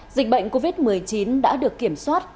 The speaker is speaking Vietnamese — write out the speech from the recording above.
dịch bệnh covid một mươi chín đã được kiểm soát